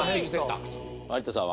有田さんは？